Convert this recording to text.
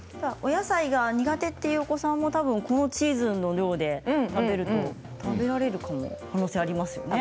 野菜が苦手というお子さんもこのチーズの量で食べられる可能性がありますよね。